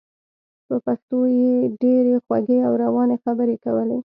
په پښتو یې ډېرې خوږې او روانې خبرې کولې.